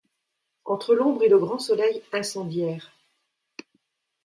Entre l’ombre et le grand soleil incendiaire.